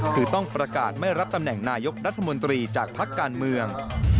คือต้องประกาศไม่รับตำแหน่งนายกรัฐมนตรีจากพักการเมือง